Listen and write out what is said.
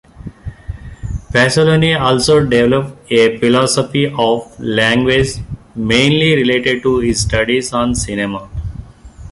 Pasolini also developed a philosophy of language mainly related to his studies on cinema.